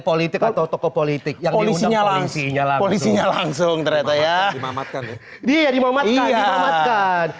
politik atau tokoh politik yang polisinya langsung langsung terima makan dia dimamatkan